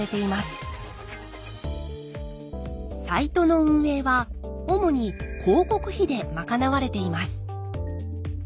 サイトの運営は主に広告費で賄われています。